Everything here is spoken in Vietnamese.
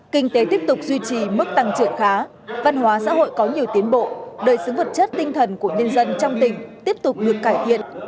kinh tế tiếp tục duy trì mức tăng trưởng khá văn hóa xã hội có nhiều tiến bộ đời sống vật chất tinh thần của nhân dân trong tỉnh tiếp tục được cải thiện